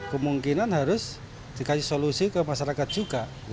kemungkinan harus dikasih solusi ke masyarakat juga